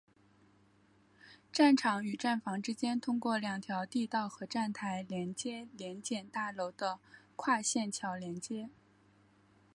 站场与站房之间通过两条地道和站台联接联检大楼的跨线桥连接。